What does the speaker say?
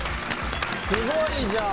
すごいじゃん。